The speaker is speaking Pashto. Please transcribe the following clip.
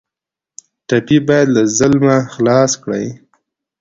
ټپي باید له ظلمه خلاص کړئ.